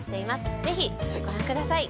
ぜひご覧ください。